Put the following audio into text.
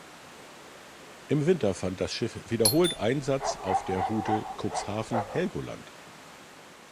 Im Winter fand das Schiff wiederholt Einsatz auf der Route Cuxhaven–Helgoland.